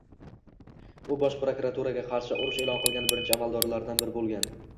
U Bosh prokuraturaga qarshi urush e'lon qilgan birinchi amaldorlardan biri bo'lgan.